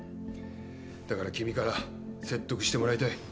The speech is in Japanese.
だから君から説得してもらいたい。